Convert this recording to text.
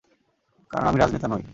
কারণ আমি রাজনেতা নই।